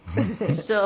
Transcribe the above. そう。